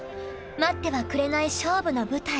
待ってはくれない勝負の舞台。